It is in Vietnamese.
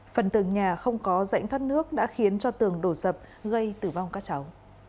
phần tường nhà không có rãnh thoát nước đã khiến cho tường đổ sập gây tử vong các cháu